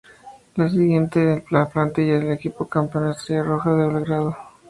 La siguiente es la plantilla del equipo campeón, Estrella Roja de Belgrado.